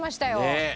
ねえ。